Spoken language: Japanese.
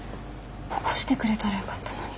起こしてくれたらよかったのに。